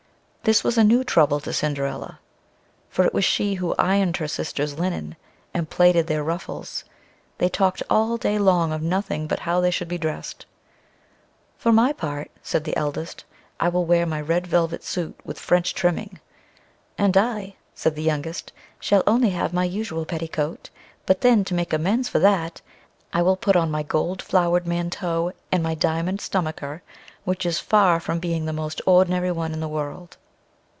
This was a new trouble to Cinderilla; for it was she who ironed her sisters' linen, and plaited their ruffles; they talked all day long of nothing but how they should be dressed. "For my part," said the eldest, "I will wear my red velvet suit, with French trimming." "And I," said the youngest, "shall only have my usual petticoat; but then, to make amends for that, I will put on my gold flowered manteau, and my diamond stomacher, which is far from being the most ordinary one in the world."